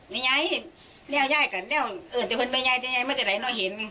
ไม่ใช่เลี่ยวย่ายกันเลี่ยวเอ่อนจะเป็นแม่ย่ายไม่ใช่ใดเนอะ